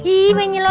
ibu ina ibu ina